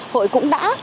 hội cũng đã